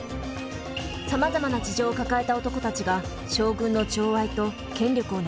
さまざまな事情を抱えた男たちが将軍の寵愛と権力を狙います。